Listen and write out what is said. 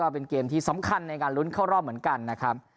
เป็นเกมที่สำคัญในการลุ้นเข้ารอบเหมือนกันนะครับ